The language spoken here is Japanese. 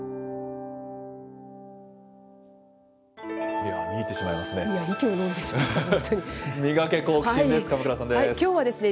いや、見入ってしまいますね。